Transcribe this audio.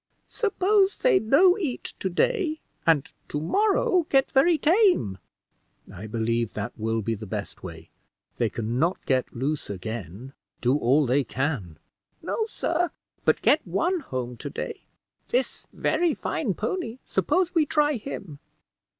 "Suppose they no eat to day and to morrow, get very tame." "I believe that will be the best way; they can not get loose again, do all they can." "No, sir; but get one home to day. This very fine pony; suppose we try him."